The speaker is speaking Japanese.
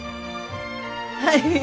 はい。